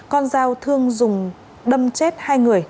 con dao thương dùng đâm chết hai người